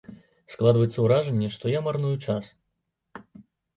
Складваецца ўражанне, што я марную час.